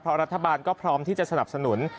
เพราะรัฐบาลก็พร้อมที่จะสนับสนุน